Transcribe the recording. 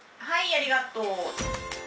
ありがとう。